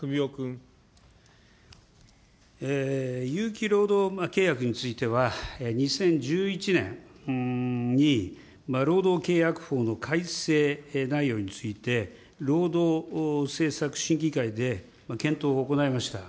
有期労働契約については、２０１１年に労働契約法の改正内容について、労働政策審議会で検討を行いました。